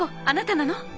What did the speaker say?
あなたなの？